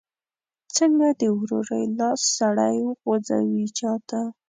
څنګه د ورورۍ لاس سړی وغځوي چاته؟